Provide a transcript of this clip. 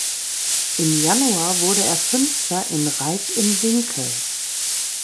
Im Januar wurde er Fünfter in Reit im Winkl.